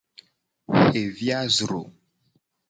Xevi a zro.